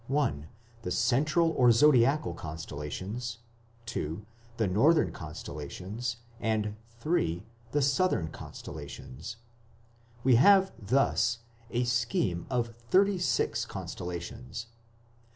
(1) the central or zodiacal constellations, (2) the northern constellations, and (3) the southern constellations. We have thus a scheme of thirty six constellations.